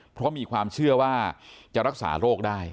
เพราะมีความเชื่อว่าจะรักษาโรคได้